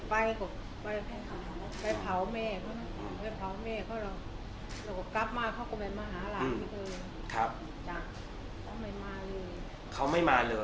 ไปขาวแม่เขา